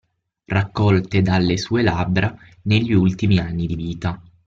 Raccolte dalle sue labbra negli ultimi anni di vita.